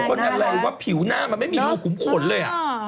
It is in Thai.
คนแหล่วว่าผิวหน้ามันไม่มีรูขุมขนเลยอะ